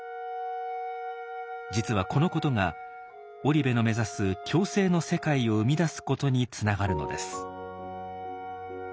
実はこのことが織部の目指す共生の世界を生み出すことにつながるのです。